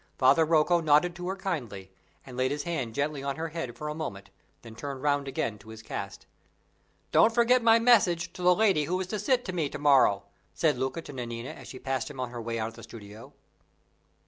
Father Rocco nodded to her kindly, and laid his hand lightly on her head for a moment, then turned round again to his cast. "Don't forget my message to the lady who is to sit to me to morrow," said Luca to Nanina, as she passed him on her way out of the studio.